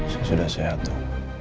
saya sudah sehat dok